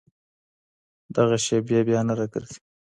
دغه شېبې بیا نه راګرځي.